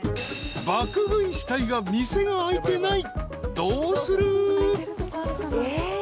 ［爆食いしたいが店が開いてない］